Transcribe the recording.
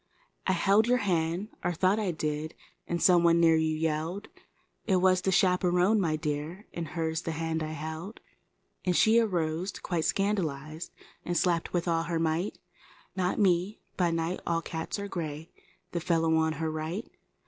I held your hand, or thought I did, some one near you yelled; It was the chaperon, my dear, and h the hand I held. And she arose quite scandalized, a slapped with all her might— Not me—by night all cats are gray—1 fellow on her right.